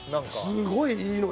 すごいいいのよ！